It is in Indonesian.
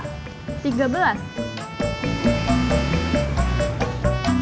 ui lambat banget kayak keong masuk angin